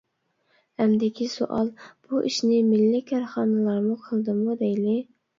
ئەمدىكى سوئال: بۇ ئىشنى مىللىي كارخانىلار قىلدىمۇ دەيلى.